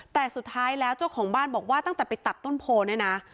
แต่สุดท้ายแล้วเจ้าของบ้านบอกว่าตั้งแต่ไปตัดต้นโพลเนี่ยนะ